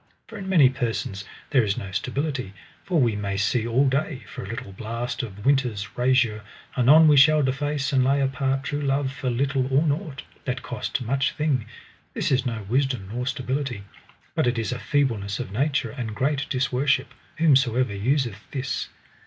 For in many persons there is no stability; for we may see all day, for a little blast of winter's rasure, anon we shall deface and lay apart true love for little or nought, that cost much thing; this is no wisdom nor stability, but it is feebleness of nature and great disworship, whosomever useth this.